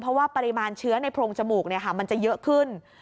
เพราะว่าปริมาณเชื้อในโพรงจมูกมันจะเยอะขึ้น